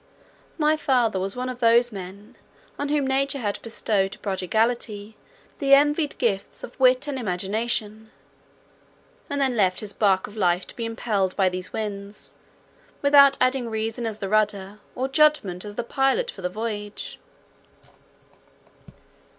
My father was one of those men on whom nature had bestowed to prodigality the envied gifts of wit and imagination, and then left his bark of life to be impelled by these winds, without adding reason as the rudder, or judgment as the pilot for the voyage.